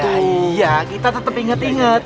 nah iya kita tetep ingat ingat